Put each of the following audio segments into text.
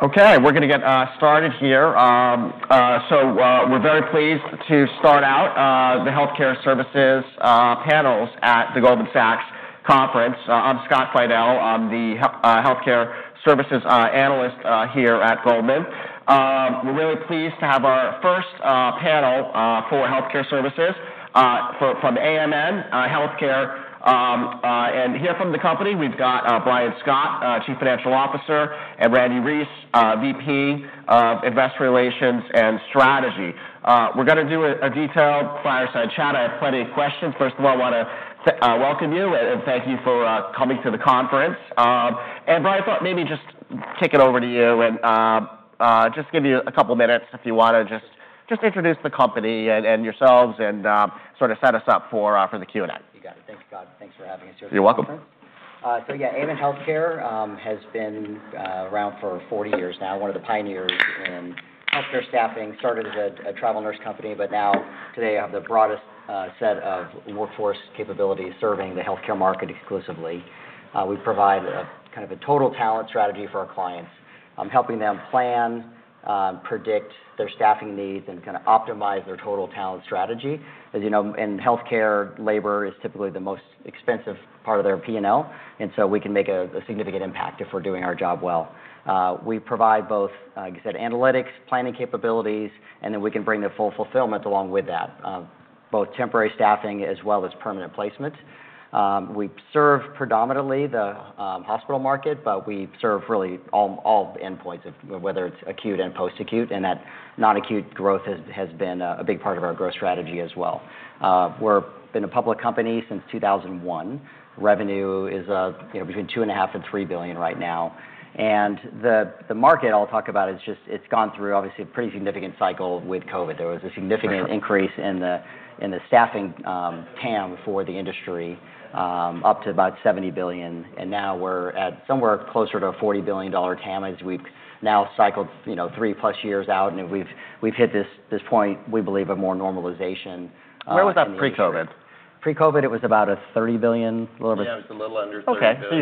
Okay, we're going to get started here. We're very pleased to start out the healthcare services panels at the Goldman Sachs conference. I'm Scott Fidell. I'm the healthcare services analyst here at Goldman. We're really pleased to have our first panel for healthcare services from AMN Healthcare. Here from the company, we've got Brian Scott, Chief Financial Officer, and Randle Reece, VP of Investor Relations and Strategy. We're going to do a detailed fireside chat. I have plenty of questions. First of all, I want to welcome you and thank you for coming to the conference. Brian, I thought maybe just kick it over to you and just give you a couple of minutes if you want to just introduce the company and yourselves and sort of set us up for the Q&A. You got it. Thank you, Scott. Thanks for having us here. You're welcome. Yeah, AMN Healthcare has been around for 40 years now, one of the pioneers in healthcare staffing, started as a travel nurse company, but now today have the broadest set of workforce capabilities serving the healthcare market exclusively. We provide a total talent strategy for our clients, helping them plan, predict their staffing needs, and optimize their total talent strategy. As you know, in healthcare, labor is typically the most expensive part of their P&L. We can make a significant impact if we're doing our job well. We provide both, like I said, analytics, planning capabilities. We can bring the full fulfillment along with that, both temporary staffing as well as permanent placement. We serve predominantly the hospital market, but we serve really all the endpoints, whether it's acute and post-acute, and that non-acute growth has been a big part of our growth strategy as well. We've been a public company since 2001. Revenue is between two and a half and $3 billion right now. The market I'll talk about is just, it's gone through obviously a pretty significant cycle with COVID. There was a significant increase in the staffing TAM for the industry up to about $70 billion. Now we're at somewhere closer to a $40 billion TAM as we've now cycled three-plus years out, and we've hit this point, we believe, of more normalization. Where was that pre-COVID? Pre-COVID, it was about $30 billion. Yeah, it was a little under $30 billion. Okay.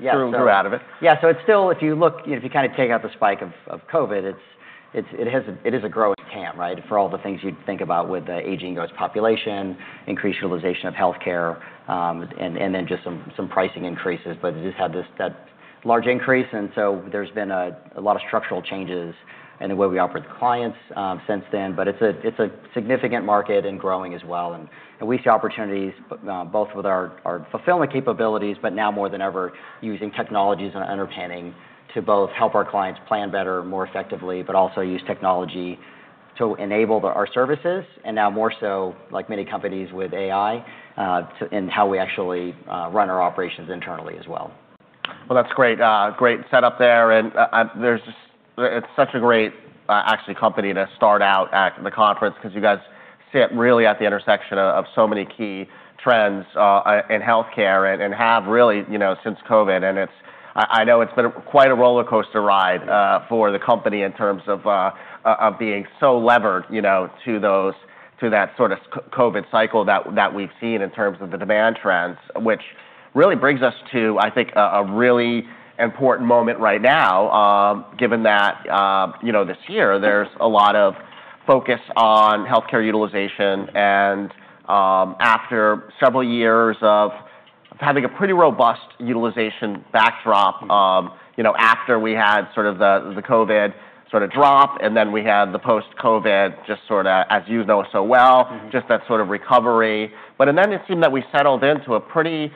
You grew out of it. Yeah. It's still, if you look, if you take out the spike of COVID, it is a growing TAM, right, for all the things you'd think about with the aging population, increased utilization of healthcare, and then just some pricing increases. It just had that large increase, and so there's been a lot of structural changes in the way we operate the clients since then. It's a significant market and growing as well. We see opportunities both with our fulfillment capabilities, but now more than ever, using technologies and underpinning to both help our clients plan better, more effectively, but also use technology to enable our services, and now more so, like many companies with AI, in how we actually run our operations internally as well. Well, that's great. Great setup there. It's such a great actually company to start out at the conference because you guys sit really at the intersection of so many key trends in healthcare and have really since COVID. I know it's been quite a rollercoaster ride for the company in terms of being so levered to that sort of COVID cycle that we've seen in terms of the demand trends, which really brings us to, I think, a really important moment right now, given that this year there's a lot of focus on healthcare utilization. After several years of having a pretty robust utilization backdrop, after we had sort of the COVID drop, and then we had the post-COVID, just sort of as you know so well, just that sort of recovery. It seemed that we settled into a pretty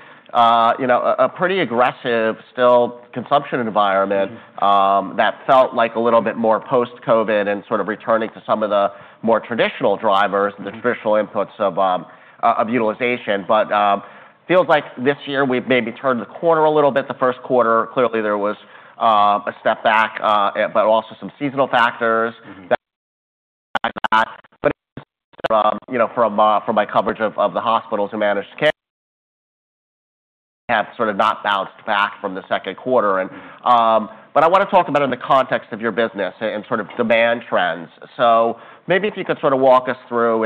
aggressive, still consumption environment that felt like a little bit more post-COVID and sort of returning to some of the more traditional drivers, the traditional inputs of utilization. Feels like this year we've maybe turned the corner a little bit. The first quarter, clearly there was a step back, but also some seasonal factors that, from my coverage of the hospitals who managed care have sort of not bounced back from the second quarter. I want to talk about in the context of your business and sort of demand trends. maybe if you could sort of walk us through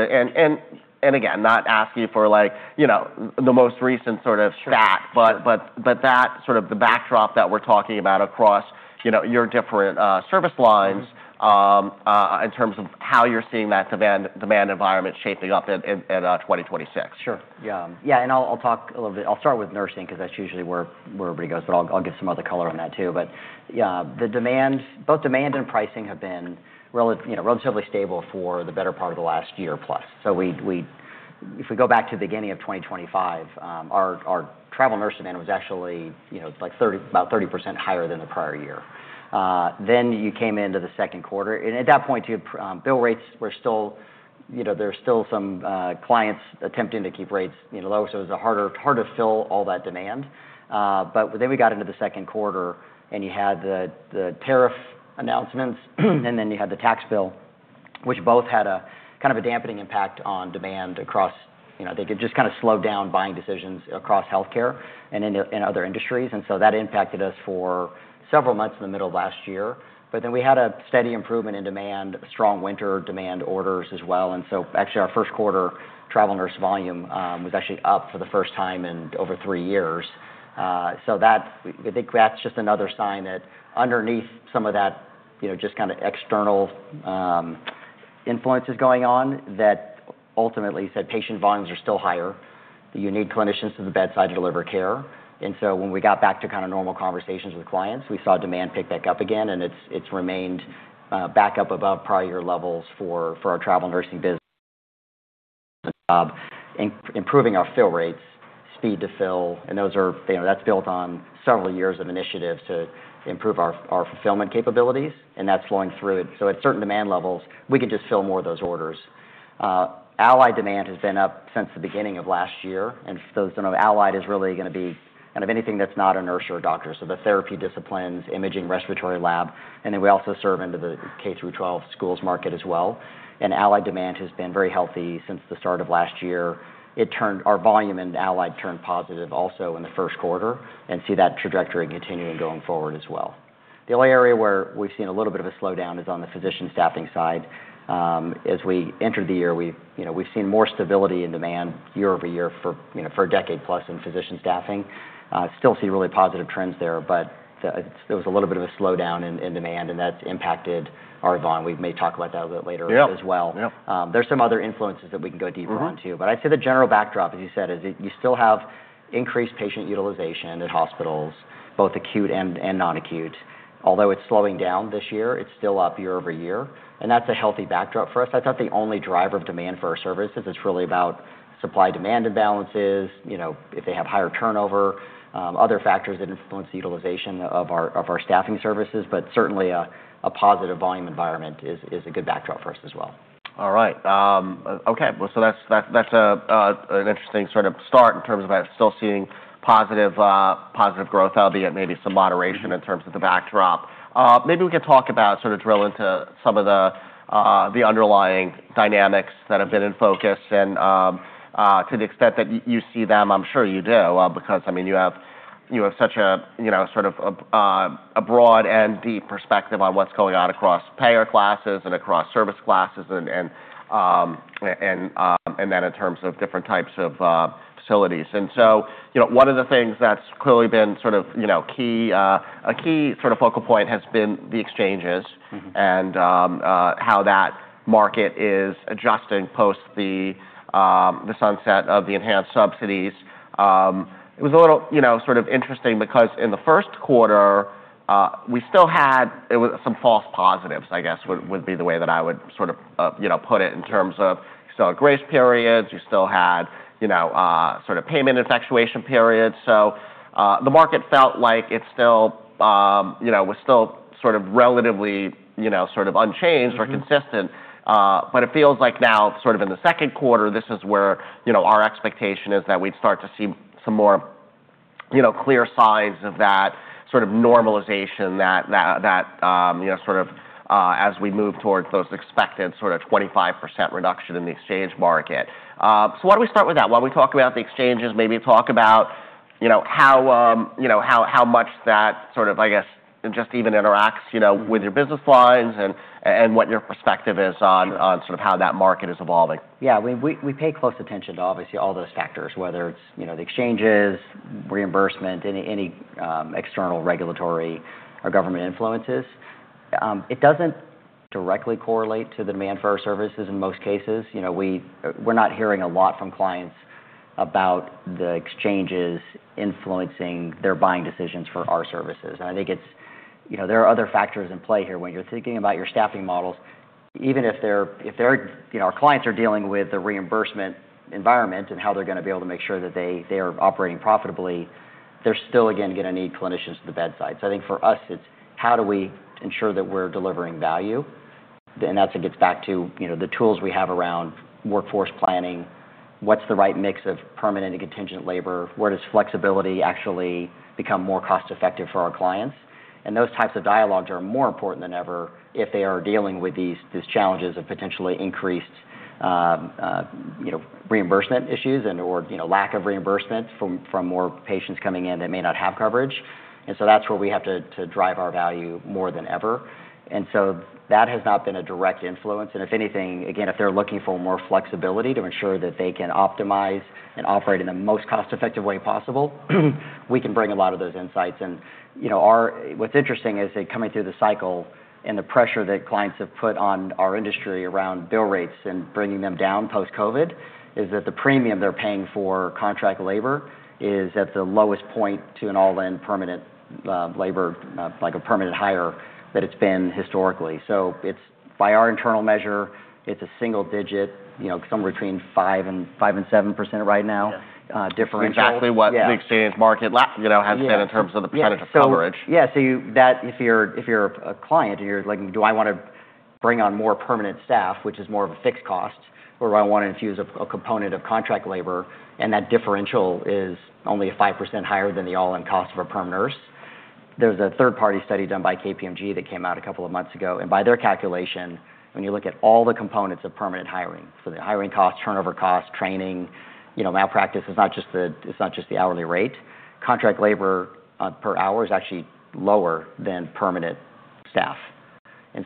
and again, not ask you for the most recent sort of stat, but that sort of the backdrop that we're talking about across your different service lines in terms of how you're seeing that demand environment shaping up in 2024. Sure. Yeah. I'll talk a little bit. I'll start with nursing because that's usually where everybody goes, I'll give some other color on that too. Yeah, both demand and pricing have been relatively stable for the better part of the last year plus. If we go back to the beginning of 2023, our travel nurse demand was actually about 30% higher than the prior year. You came into the second quarter, and at that point, bill rates were still some clients attempting to keep rates low, it was hard to fill all that demand. We got into the second quarter and you had the tariff announcements, you had the tax bill, which both had a kind of a dampening impact on demand across. They just kind of slowed down buying decisions across healthcare and in other industries. That impacted us for several months in the middle of last year. We had a steady improvement in demand, strong winter demand orders as well. Actually our first quarter travel nurse volume was actually up for the first time in over three years. I think that's just another sign that underneath some of that just kind of external influences going on that ultimately said patient volumes are still higher, that you need clinicians to the bedside to deliver care. When we got back to normal conversations with clients, we saw demand pick back up again, and it's remained back up above prior year levels for our travel nursing business. In improving our fill rates, speed to fill, and that's built on several years of initiatives to improve our fulfillment capabilities, and that's flowing through. At certain demand levels, we could just fill more of those orders. Allied demand has been up since the beginning of last year. Allied is really going to be anything that's not a nurse or a doctor. The therapy disciplines, imaging, respiratory lab, and then we also serve into the K-12 schools market as well. Allied demand has been very healthy since the start of last year. Our volume in allied turned positive also in the first quarter, and see that trajectory continuing going forward as well. The only area where we've seen a little bit of a slowdown is on the physician staffing side. As we entered the year, we've seen more stability in demand year-over-year for a decade plus in physician staffing. Still see really positive trends there, but there was a little bit of a slowdown in demand, and that's impacted our volume. We may talk about that a bit later as well. Yeah. There's some other influences that we can go deeper on, too. I'd say the general backdrop, as you said, is that you still have increased patient utilization at hospitals, both acute and non-acute. Although it's slowing down this year, it's still up year-over-year, and that's a healthy backdrop for us. That's not the only driver of demand for our services. It's really about supply-demand imbalances, if they have higher turnover, other factors that influence the utilization of our staffing services, but certainly a positive volume environment is a good backdrop for us as well. All right. Okay. That's an interesting start in terms of still seeing positive growth, albeit maybe some moderation in terms of the backdrop. Maybe we could talk about, drill into some of the underlying dynamics that have been in focus and to the extent that you see them. I'm sure you do, because you have such a broad and deep perspective on what's going on across payer classes and across service classes and then in terms of different types of facilities. One of the things that's clearly been a key focal point has been the exchanges and how that market is adjusting post the sunset of the enhanced subsidies. It was a little interesting because in the first quarter we still had some false positives, I guess, would be the way that I would put it in terms of you still had grace periods, you still had payment effectuation periods. The market felt like it was still relatively unchanged or consistent. It feels like now in the second quarter, this is where our expectation is that we'd start to see some more clear signs of that normalization as we move towards those expected 25% reduction in the exchange market. Why don't we start with that? Why don't we talk about the exchanges, maybe talk about how much that, I guess, just even interacts with your business lines and what your perspective is on how that market is evolving. Yeah. We pay close attention to obviously all those factors, whether it's the exchanges, reimbursement, any external regulatory or government influences. It doesn't directly correlate to the demand for our services in most cases. We're not hearing a lot from clients about the exchanges influencing their buying decisions for our services. I think there are other factors in play here. When you're thinking about your staffing models, even if our clients are dealing with the reimbursement environment and how they're going to be able to make sure that they are operating profitably, they're still, again, going to need clinicians to the bedside. I think for us, it's how do we ensure that we're delivering value? That gets back to the tools we have around workforce planning. What's the right mix of permanent and contingent labor? Where does flexibility actually become more cost-effective for our clients? Those types of dialogues are more important than ever if they are dealing with these challenges of potentially increased reimbursement issues and/or lack of reimbursement from more patients coming in that may not have coverage. That's where we have to drive our value more than ever. That has not been a direct influence. If anything, again, if they're looking for more flexibility to ensure that they can optimize and operate in the most cost-effective way possible, we can bring a lot of those insights in. What's interesting is that coming through the cycle and the pressure that clients have put on our industry around bill rates and bringing them down post-COVID, is that the premium they're paying for contract labor is at the lowest point to an all-in permanent labor, like a permanent hire, that it's been historically. By our internal measure, it's a single digit, somewhere between 5% and 7% right now differential. Exactly what the exchange market has been in terms of the percentage of coverage. Yeah. If you're a client and you're like, do I want to bring on more permanent staff, which is more of a fixed cost, or do I want to infuse a component of contract labor, and that differential is only 5% higher than the all-in cost of a perm nurse. There's a third-party study done by KPMG that came out a couple of months ago, and by their calculation, when you look at all the components of permanent hiring, so the hiring cost, turnover cost, training, malpractice, it's not just the hourly rate. Contract labor per hour is actually lower than permanent staff. If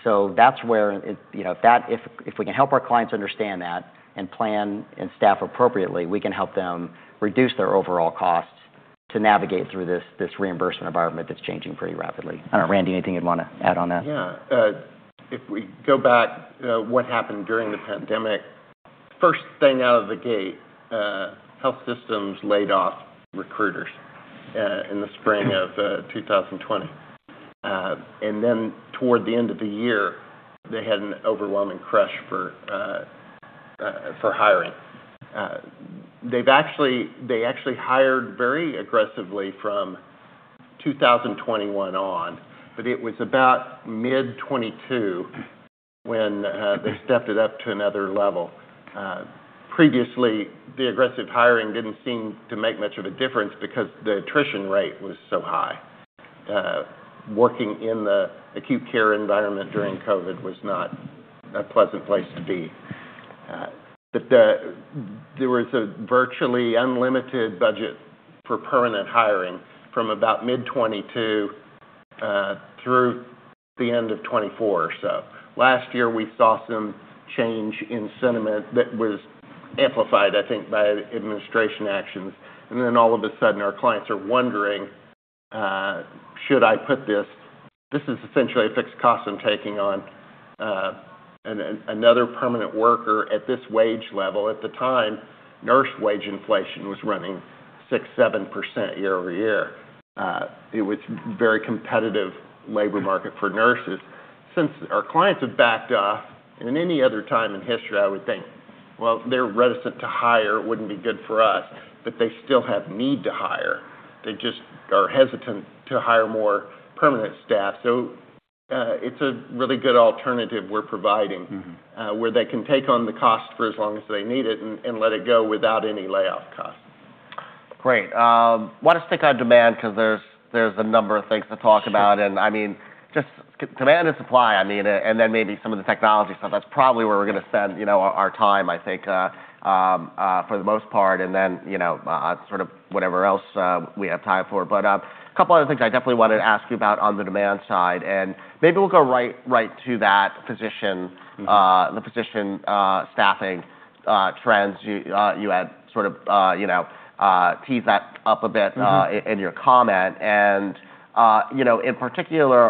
we can help our clients understand that and plan and staff appropriately, we can help them reduce their overall costs. To navigate through this reimbursement environment that's changing pretty rapidly. I don't know, Randle, anything you'd want to add on that? Yeah. If we go back, what happened during the pandemic, first thing out of the gate, health systems laid off recruiters in the spring of 2020. Toward the end of the year, they had an overwhelming crush for hiring. They actually hired very aggressively from 2021 on, but it was about mid 2022 when they stepped it up to another level. Previously, the aggressive hiring didn't seem to make much of a difference because the attrition rate was so high. Working in the acute care environment during COVID was not a pleasant place to be. There was a virtually unlimited budget for permanent hiring from about mid 2022, through the end of 2024 or so. Last year, we saw some change in sentiment that was amplified, I think, by administration actions. All of a sudden, our clients are wondering, This is essentially a fixed cost I'm taking on, another permanent worker at this wage level. At the time, nurse wage inflation was running 6%, 7% year-over-year. It was a very competitive labor market for nurses. Since our clients have backed off, in any other time in history, I would think, well, they're reticent to hire, wouldn't be good for us, but they still have need to hire. They just are hesitant to hire more permanent staff. It's a really good alternative we're providing. Where they can take on the cost for as long as they need it and let it go without any layoff costs. Great. I want to stick on demand because there's a number of things to talk about. I mean, just demand and supply, and then maybe some of the technology stuff. That's probably where we're going to spend our time, I think, for the most part, and then sort of whatever else we have time for. A couple other things I definitely wanted to ask you about on the demand side, and maybe we'll go right to that, physician staffing trends. You had sort of teased that up a bit- In your comment. In particular,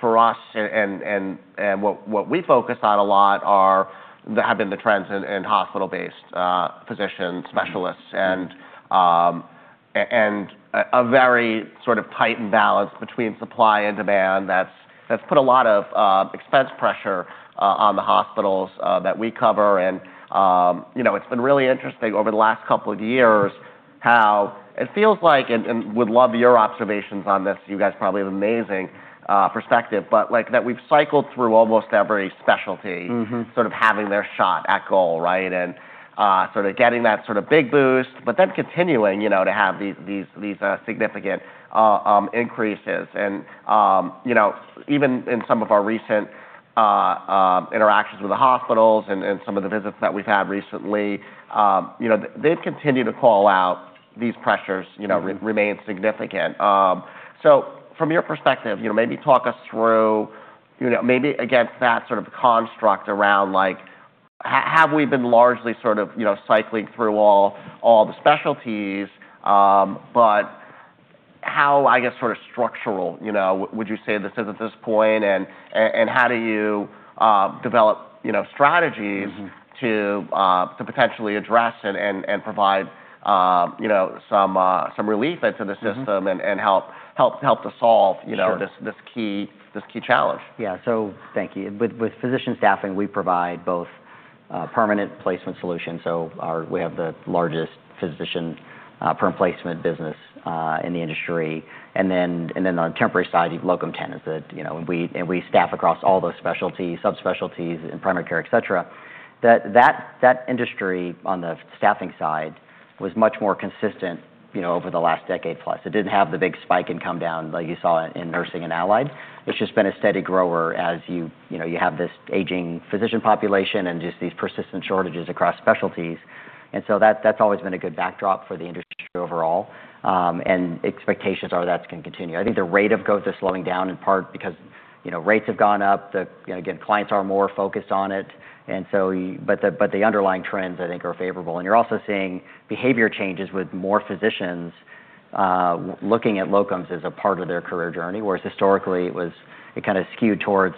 for us and what we focus on a lot have been the trends in hospital-based physician specialists and a very sort of tight balance between supply and demand that's put a lot of expense pressure on the hospitals that we cover. It's been really interesting over the last couple of years how it feels like, and would love your observations on this, you guys probably have amazing perspective, but that we've cycled through almost every specialty- sort of having their shot at goal, right? sort of getting that big boost, but then continuing to have these significant increases. Even in some of our recent interactions with the hospitals and some of the visits that we've had recently, they've continued to call out these pressures, you know. remain significant. From your perspective, maybe talk us through maybe against that sort of construct around have we been largely sort of cycling through all the specialties, but how, I guess, sort of structural would you say this is at this point, and how do you develop strategies. to potentially address and provide some relief into the system. help to solve. this key challenge. Yeah. Thank you. With physician staffing, we provide both permanent placement solutions. We have the largest physician perm placement business in the industry. Then on the temporary side, you have locum tenens. We staff across all those specialties, subspecialties in primary care, et cetera. That industry on the staffing side was much more consistent over the last decade plus. It didn't have the big spike and come down like you saw in nursing and allied. It's just been a steady grower as you have this aging physician population and just these persistent shortages across specialties. That's always been a good backdrop for the industry overall. Expectations are that's going to continue. I think the rate of growth is slowing down in part because rates have gone up. Again, clients are more focused on it. The underlying trends, I think, are favorable. You're also seeing behavior changes with more physicians looking at locums as a part of their career journey, whereas historically it kind of skewed towards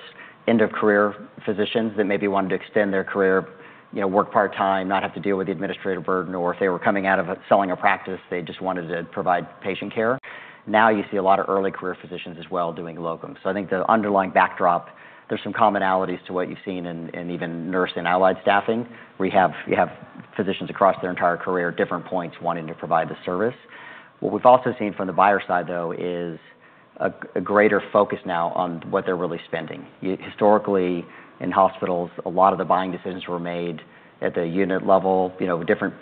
end of career physicians that maybe wanted to extend their career, work part-time, not have to deal with the administrative burden, or if they were coming out of selling a practice, they just wanted to provide patient care. Now you see a lot of early career physicians as well doing locum. I think the underlying backdrop, there's some commonalities to what you've seen in even nurse and allied staffing, where you have physicians across their entire career at different points wanting to provide the service. What we've also seen from the buyer side, though, is a greater focus now on what they're really spending. Historically, in hospitals, a lot of the buying decisions were made at the unit level. Different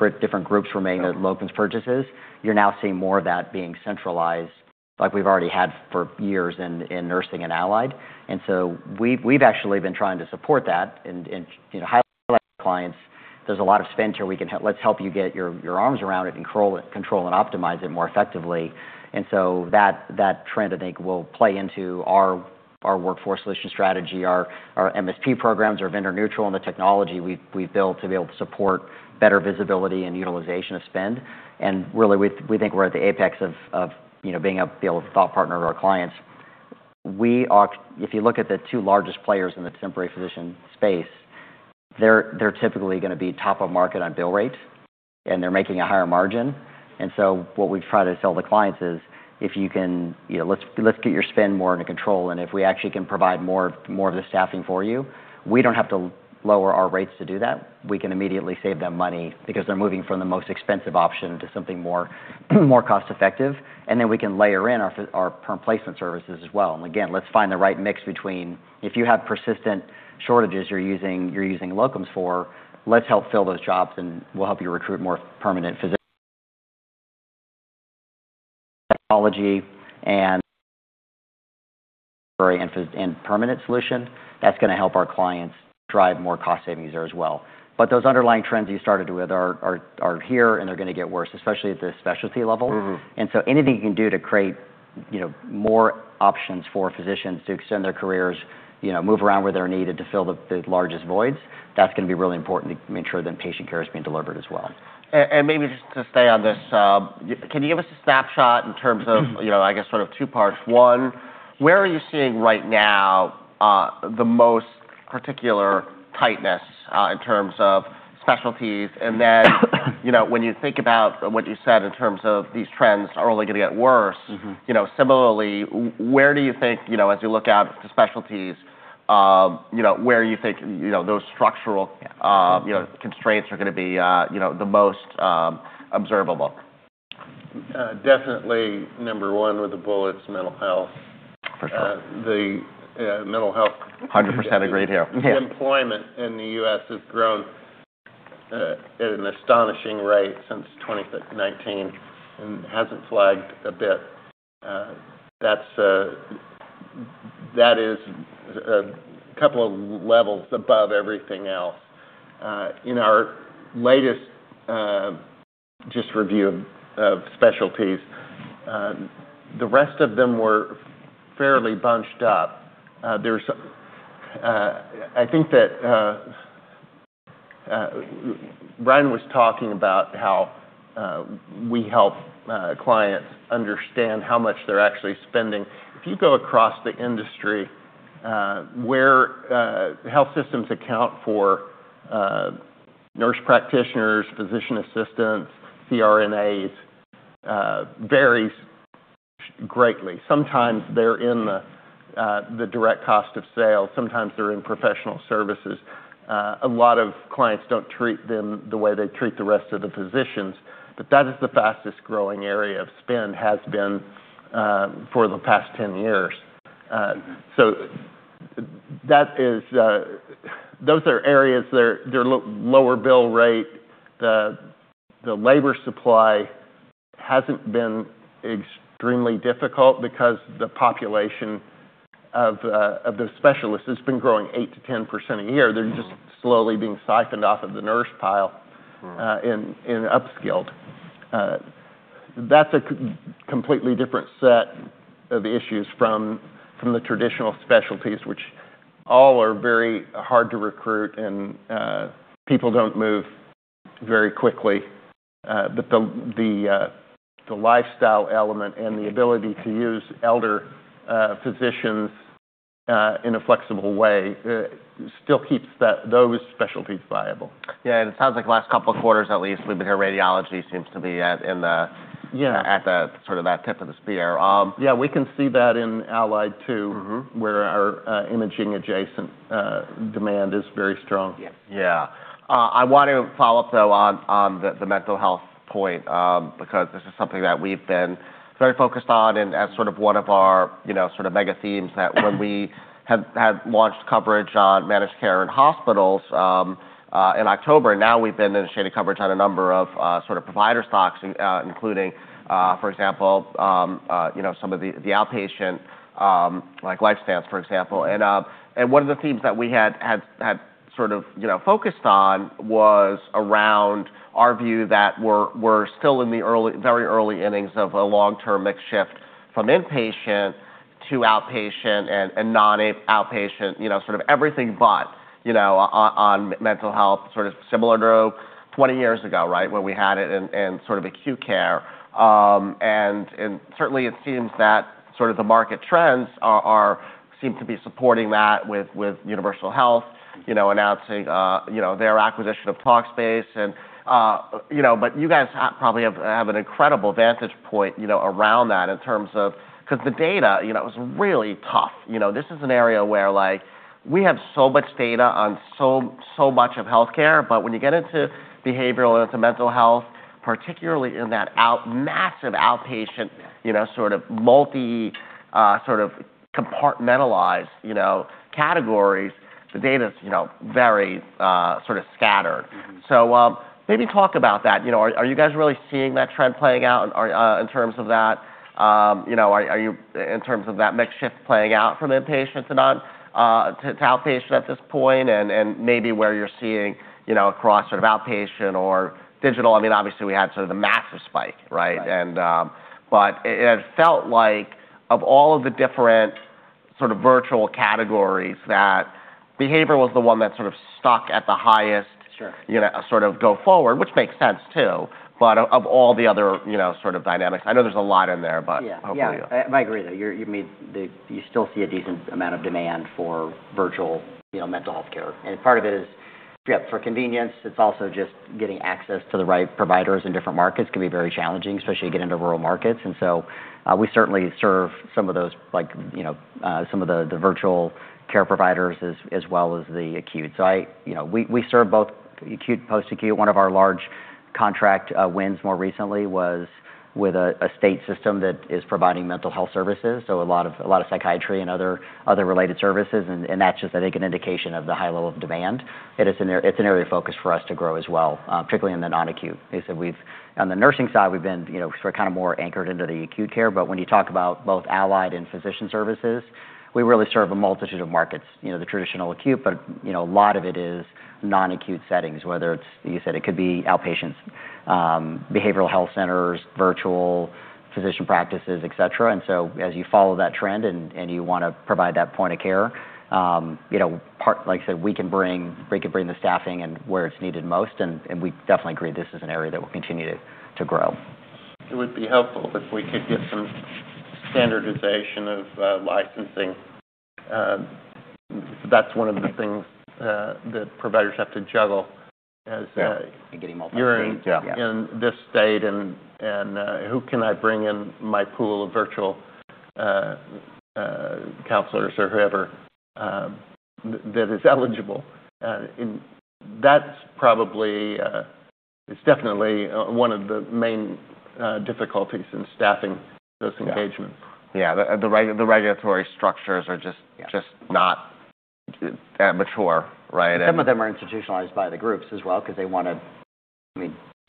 groups were making locums purchases. You're now seeing more of that being centralized, like we've already had for years in nursing and allied. We've actually been trying to support that and highlight clients. There's a lot of spend here. Let's help you get your arms around it and control and optimize it more effectively. That trend, I think, will play into our workforce solution strategy. Our MSP programs are vendor neutral, and the technology we've built to be able to support better visibility and utilization of spend. Really, we think we're at the apex of being able to be a thought partner of our clients. If you look at the two largest players in the temporary physician space, they're typically going to be top of market on bill rates, and they're making a higher margin. What we try to sell the clients is, let's get your spend more under control, and if we actually can provide more of the staffing for you, we don't have to lower our rates to do that. We can immediately save them money because they're moving from the most expensive option to something more cost-effective. Then we can layer in our perm placement services as well. Again, let's find the right mix between if you have persistent shortages you're using locums for, let's help fill those jobs, and we'll help you recruit more permanent physicians. Technology and temporary and permanent solution, that's going to help our clients drive more cost savings there as well. Those underlying trends you started with are here, and they're going to get worse, especially at the specialty level. Anything you can do to create more options for physicians to extend their careers, move around where they're needed to fill the largest voids, that's going to be really important to make sure that patient care is being delivered as well. Maybe just to stay on this, can you give us a snapshot in terms of, I guess, sort of two parts. One, where are you seeing right now the most particular tightness, in terms of specialties? When you think about what you said in terms of these trends are only going to get worse. Similarly, where do you think, as you look out to specialties, where you think those structural constraints are going to be the most observable? Definitely number one with the bullets, mental health. For sure. The mental health- 100% agree here. Yeah Employment in the U.S. has grown at an astonishing rate since 2019 and hasn't flagged a bit. That is a couple of levels above everything else. In our latest just review of specialties, the rest of them were fairly bunched up. Brian was talking about how we help clients understand how much they're actually spending. If you go across the industry, where health systems account for nurse practitioners, physician assistants, CRNA, varies greatly. Sometimes they're in the direct cost of sales, sometimes they're in professional services. A lot of clients don't treat them the way they treat the rest of the physicians, but that is the fastest-growing area of spend, has been for the past 10 years. Those are areas, they're lower bill rate. The labor supply hasn't been extremely difficult because the population of the specialists has been growing 8%-10% a year. They're just slowly being siphoned off of the nurse pile. Upskilled. That's a completely different set of issues from the traditional specialties, which all are very hard to recruit, and people don't move very quickly. The lifestyle element and the ability to use elder physicians in a flexible way, still keeps those specialties viable. Yeah, it sounds like the last couple of quarters at least, we've been hearing radiology seems to be at the. Yeah Sort of that tip of the spear. Yeah, we can see that in Allied too. where our imaging adjacent demand is very strong. Yeah. I want to follow up, though, on the mental health point, because this is something that we've been very focused on and as sort of one of our mega themes that when we had launched coverage on managed care and hospitals in October. We've been initiating coverage on a number of sort of provider stocks, including, for example, some of the outpatient, like LifeStance, for example. One of the themes that we had sort of focused on was around our view that we're still in the very early innings of a long-term mix shift from inpatient to outpatient and non-outpatient, sort of everything but on mental health, sort of similar to 20 years ago, right, when we had it in sort of acute care. Certainly, it seems that the market trends seem to be supporting that with Universal Health announcing their acquisition of Talkspace. You guys probably have an incredible vantage point around that in terms of, because the data is really tough. This is an area where we have so much data on so much of healthcare, but when you get into behavioral, into mental health, particularly in that massive outpatient, sort of multi, sort of compartmentalized categories, the data's very sort of scattered. Maybe talk about that. Are you guys really seeing that trend playing out in terms of that mix shift playing out from inpatient to outpatient at this point? Maybe where you're seeing across sort of outpatient or digital, I mean, obviously, we had sort of the massive spike, right? Right. It felt like of all of the different sort of virtual categories that behavior was the one that sort of stuck at the highest. Sure Sort of go forward, which makes sense, too. Of all the other sort of dynamics. I know there's a lot in there, but hopefully. Yeah. I agree, though. You still see a decent amount of demand for virtual mental health care, and part of it is for convenience. It's also just getting access to the right providers in different markets can be very challenging, especially to get into rural markets. We certainly serve some of those, some of the virtual care providers as well as the acute. We serve both acute and post-acute. One of our large contract wins more recently was with a state system that is providing mental health services, so a lot of psychiatry and other related services, that's just, I think, an indication of the high level of demand. It's an area of focus for us to grow as well, particularly in the non-acute. On the nursing side, we've been sort of more anchored into the acute care. When you talk about both allied and physician services, we really serve a multitude of markets. The traditional acute, but a lot of it is non-acute settings, whether it's, you said it could be outpatients, behavioral health centers, virtual physician practices, et cetera. As you follow that trend and you want to provide that point of care, like I said, we can bring the staffing and where it's needed most, we definitely agree this is an area that will continue to grow. It would be helpful if we could get some standardization of licensing. That's one of the things that providers have to juggle. Yeah, getting multi-state you're in this state, who can I bring in my pool of virtual counselors or whoever that is eligible? That's definitely one of the main difficulties in staffing those engagements. Yeah. The regulatory structures are just not mature, right? Some of them are institutionalized by the groups as well.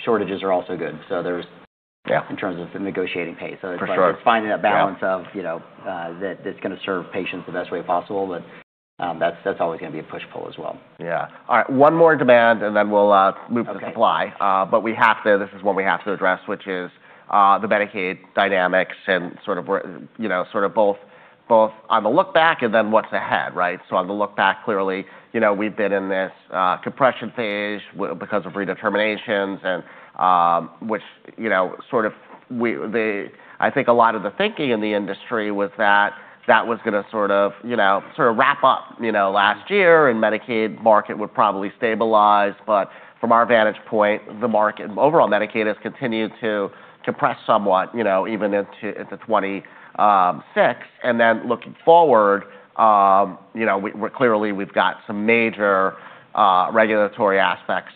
Shortages are also good. Yeah in terms of the negotiating pay. For sure. It's finding that balance of that's going to serve patients the best way possible. That's always going to be a push-pull as well. Yeah. All right, one more demand, then we'll move to supply. Okay. This is one we have to address, which is the Medicaid dynamics and sort of both on the look back then what's ahead, right? On the look back, clearly, we've been in this compression phase because of redeterminations, which I think a lot of the thinking in the industry was that that was going to sort of wrap up last year Medicaid market would probably stabilize. From our vantage point, the market, overall Medicaid has continued to compress somewhat even into 2026. Looking forward, clearly we've got some major regulatory aspects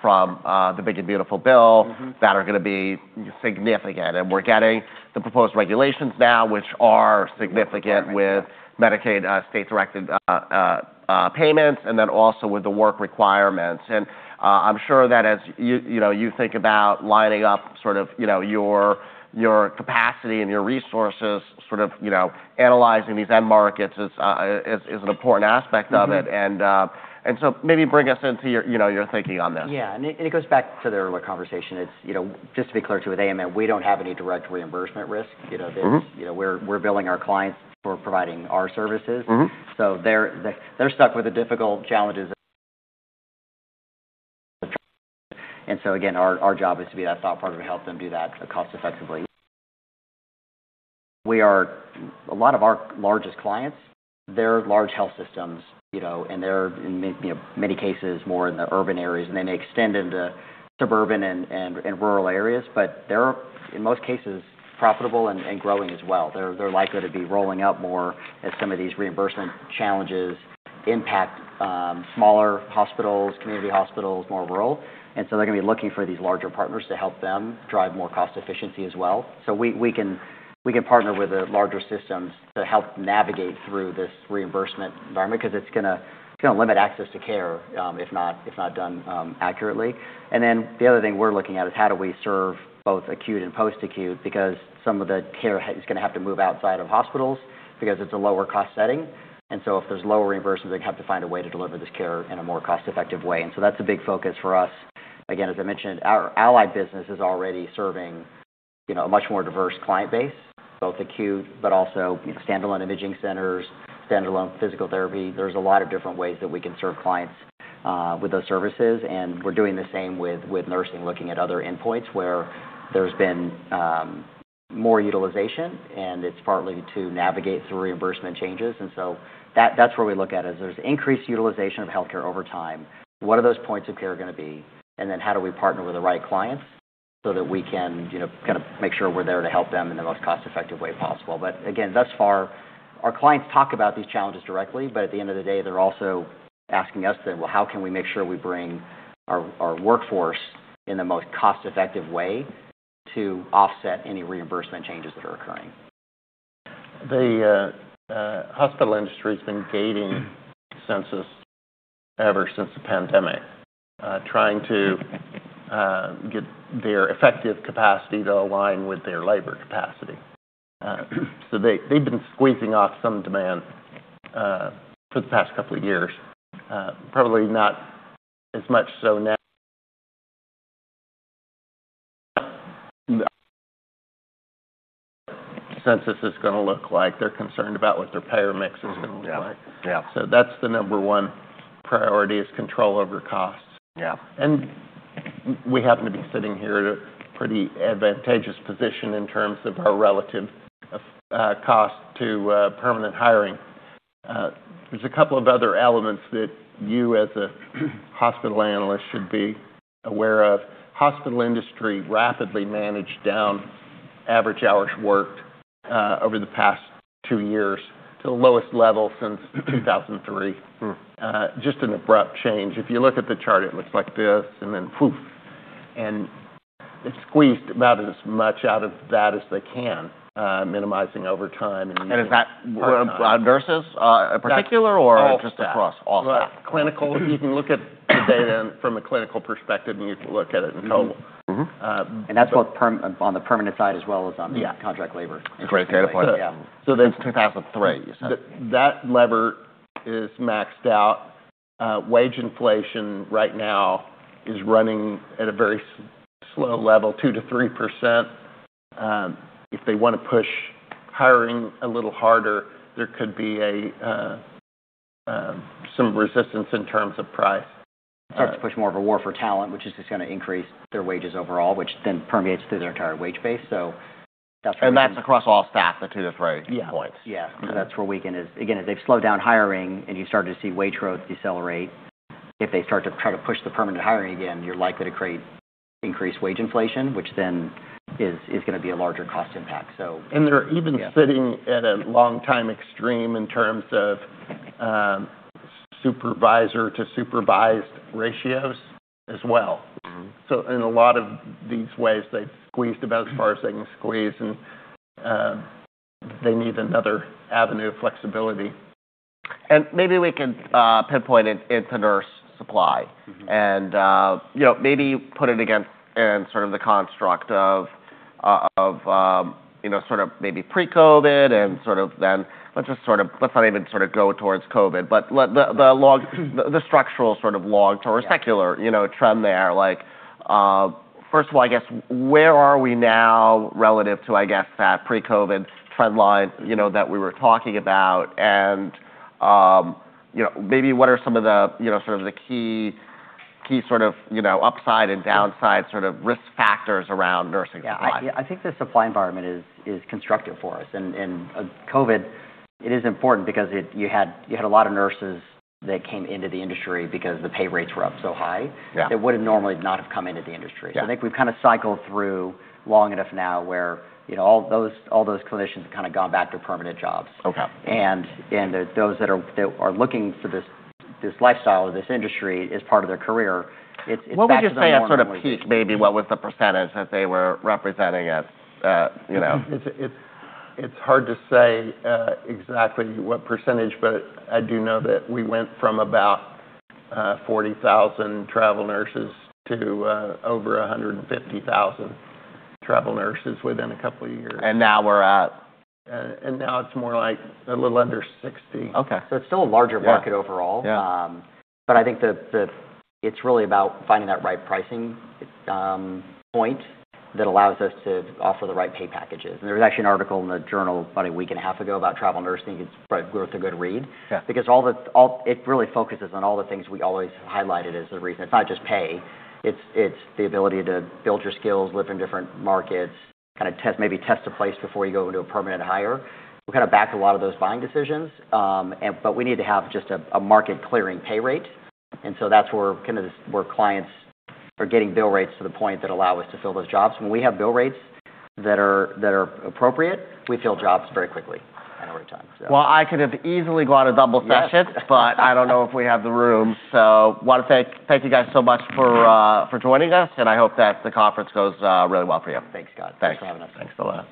from the Bipartisan Budget Act bill that are going to be significant. We're getting the proposed regulations now, which are significant with Medicaid state-directed payments, also with the work requirements. I'm sure that as you think about lining up sort of your capacity and your resources, sort of analyzing these end markets is an important aspect of it. Maybe bring us into your thinking on this. It goes back to the earlier conversation. Just to be clear, too, with AMN, we don't have any direct reimbursement risk. We're billing our clients. We're providing our services. Again, our job is to be that thought partner to help them do that cost effectively. A lot of our largest clients, they're large health systems, and they're, in many cases, more in the urban areas, and they may extend into suburban and rural areas, but they're, in most cases, profitable and growing as well. They're likely to be rolling out more as some of these reimbursement challenges impact smaller hospitals, community hospitals, more rural. They're going to be looking for these larger partners to help them drive more cost efficiency as well. We can partner with the larger systems to help navigate through this reimbursement environment because it's going to limit access to care if not done accurately. The other thing we're looking at is how do we serve both acute and post-acute, because some of the care is going to have to move outside of hospitals because it's a lower cost setting. If there's lower reimbursement, they have to find a way to deliver this care in a more cost-effective way. That's a big focus for us. Again, as I mentioned, our allied business is already serving a much more diverse client base, both acute but also standalone imaging centers, standalone physical therapy. There's a lot of different ways that we can serve clients with those services, and we're doing the same with nursing, looking at other endpoints where there's been more utilization, and it's partly to navigate through reimbursement changes. That's where we look at is there's increased utilization of healthcare over time. What are those points of care going to be? How do we partner with the right clients so that we can kind of make sure we're there to help them in the most cost-effective way possible. Again, thus far, our clients talk about these challenges directly, but at the end of the day, they're also asking us then, well, how can we make sure we bring our workforce in the most cost-effective way to offset any reimbursement changes that are occurring? The hospital industry's been gating census ever since the pandemic, trying to get their effective capacity to align with their labor capacity. They've been squeezing off some demand for the past couple of years, probably not as much so now census is going to look like. They're concerned about what their payer mix is going to look like. Mm-hmm. Yeah. That's the number one priority, is control over costs. Yeah. We happen to be sitting here at a pretty advantageous position in terms of our relative cost to permanent hiring. There's a couple of other elements that you, as a hospital analyst, should be aware of. Hospital industry rapidly managed down average hours worked over the past two years to the lowest level since 2003. Just an abrupt change. If you look at the chart, it looks like this, and then poof. They've squeezed about as much out of that as they can, minimizing overtime and using part-time. Is that nurses in particular? That's all staff. or just across all staff? Right. Clinical, you can look at the data from a clinical perspective, and you can look at it in total. That's both on the permanent side as well as on the contract labor side. Yeah. Great data point. Yeah. Since 2003, you said? That lever is maxed out. Wage inflation right now is running at a very slow level, 2%-3%. If they want to push hiring a little harder, there could be some resistance in terms of price. It starts to push more of a war for talent, which is just going to increase their wages overall, which then permeates through their entire wage base. That's across all staff, the 2-3 points? Yeah. Yeah. That's where we can, again, if they've slowed down hiring and you start to see wage growth decelerate, if they start to try to push the permanent hiring again, you're likely to create increased wage inflation, which then is going to be a larger cost impact. Yeah. They're even sitting at a long time extreme in terms of supervisor to supervised ratios as well. In a lot of these ways, they've squeezed about as far as they can squeeze, and they need another avenue of flexibility. Maybe we can pinpoint it into nurse supply. Maybe put it against in the construct of maybe pre-COVID and sort of, let's not even go towards COVID, the structural long secular trend there. First of all, I guess, where are we now relative to, I guess, that pre-COVID trend line that we were talking about? Maybe what are some of the key upside and downside risk factors around nursing supply? Yeah. I think the supply environment is constructive for us. COVID, it is important because you had a lot of nurses that came into the industry because the pay rates were up so high. Yeah that would have normally not have come into the industry. Yeah. I think we've cycled through long enough now where all those clinicians have gone back to permanent jobs. Okay. Those that are looking for this lifestyle or this industry as part of their career, it's back to more normal usage. What would you say a sort of peak maybe, what was the percentage that they were representing at? It's hard to say exactly what percentage, but I do know that we went from about 40,000 travel nurses to over 150,000 travel nurses within a couple of years. Now we're at? Now it's more like a little under 60. Okay. It's still a larger market overall. Yeah. I think that it's really about finding that right pricing point that allows us to offer the right pay packages. There was actually an article in the journal about a week and a half ago about travel nursing. It's worth a good read. Yeah. It really focuses on all the things we always have highlighted as the reason. It's not just pay, it's the ability to build your skills, live in different markets, maybe test a place before you go into a permanent hire. We back a lot of those buying decisions, but we need to have just a market clearing pay rate. That's where clients are getting bill rates to the point that allow us to fill those jobs. When we have bill rates that are appropriate, we fill jobs very quickly and over time. Well, I could have easily gone a double session. Yes. I don't know if we have the room. I want to thank you guys so much for joining us, and I hope that the conference goes really well for you. Thanks, Scott. Thanks. Thanks for having us. Thanks a lot.